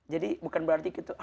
jadi bukan berarti gitu